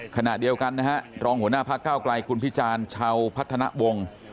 ขณะเดียวกันนะฮะรองหัวหน้าพักเก้าไกลคุณพิจารณ์ชาวพัฒนาวงศ์